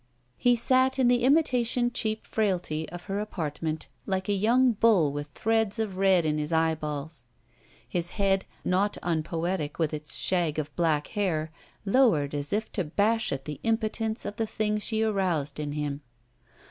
He sat in the imitation cheap «4S ROULETTE frailty of her apartment like a young bull with threads of red in his eyeballs, h^ head, not un poetic with its shag of black hair, lowered as if to bash at the impotence of the thing she aroused in him.